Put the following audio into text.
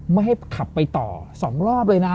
ไม่ให้ขับไปต่อ๒รอบเลยนะ